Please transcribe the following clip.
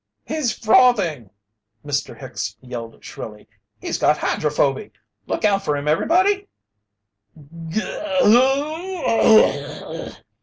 "He's frothin'!" Mr. Hicks yelled shrilly. "He's got hydrophoby! Look out for him everybody!"